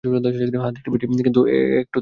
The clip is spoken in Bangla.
হ্যাঁ দেখতে পাচ্ছি, কিন্তু একটু তো সময় আছে এখনো।